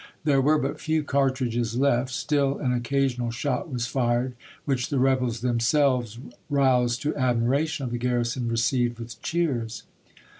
There were but few cartridges , left; still an occasional shot was fii'ed, which the rebels themselves, roused to admiration of the gar rison, received with cheers.